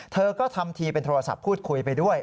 เธอก็ทำทีเป็นโทรศัพท์พูดคุยไปด้วย